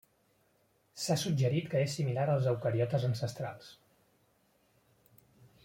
S'ha suggerit que és similar als eucariotes ancestrals.